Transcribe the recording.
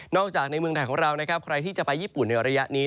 จากในเมืองไทยของเรานะครับใครที่จะไปญี่ปุ่นในระยะนี้